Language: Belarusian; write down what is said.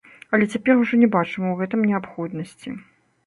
Але цяпер ужо не бачым ў гэтым неабходнасці.